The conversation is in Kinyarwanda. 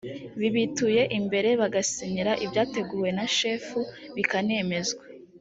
bibituye imbere bagasinyira ibyateguwe na shefu bikanemezwa